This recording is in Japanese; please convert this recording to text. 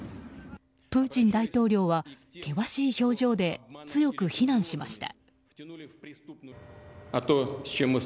プーチン大統領は険しい表情で強く非難しました。